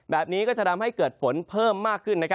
แบบนี้ก็จะทำให้เกิดฝนเพิ่มมากขึ้น